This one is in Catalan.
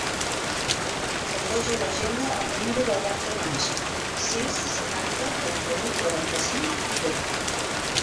Afegeix a l'agenda el número del Dante Manso: sis, setanta, trenta-u, quaranta-cinc, divuit.